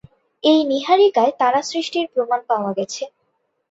এই নীহারিকায় তারা সৃষ্টির প্রমাণ পাওয়া গেছে।